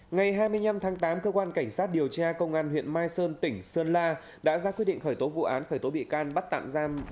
ngày hai mươi năm tháng tám cơ quan cảnh sát điều tra công an huyện mai sơn tỉnh sơn la đã ra quyết định khởi tố vụ án khởi tố bị can bắt tạm giam